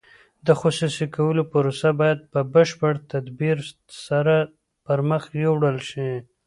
د خصوصي کولو پروسه باید په بشپړ تدبیر سره پرمخ یوړل شي.